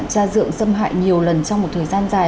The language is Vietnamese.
cha dượng xâm hại nhiều lần trong một thời gian dài